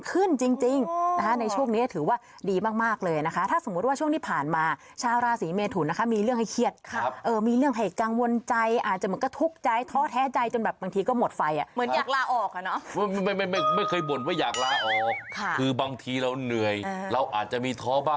ขึ้นจริงนะคะในช่วงนี้ถือว่าดีมากเลยนะคะถ้าสมมุติว่าช่วงที่ผ่านมาชาวราศีเมทุนนะคะมีเรื่องให้เครียดมีเรื่องให้กังวลใจอาจจะเหมือนก็ทุกข์ใจท้อแท้ใจจนแบบบางทีก็หมดไฟอ่ะเหมือนอยากลาออกอ่ะเนาะไม่เคยบ่นว่าอยากลาออกค่ะคือบางทีเราเหนื่อยเราอาจจะมีท้อบ้าง